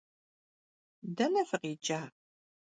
Dene fıkhiç'a?